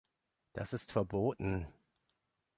Das ist verboten!